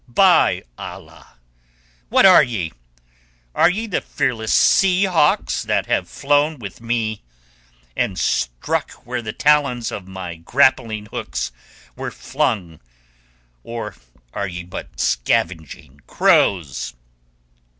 By Allah! What are ye? Are ye the fearless sea hawks that have flown with me, and struck where the talons of my grappling hooks were flung, or are ye but scavenging crows?"